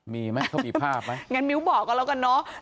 มีไหมเขามีภาพไหมงั้นมิ้วบอกกันแล้วกันเนอะ